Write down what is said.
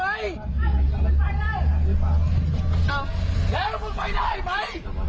แล้วมึงไปได้ไหมไปได้ไป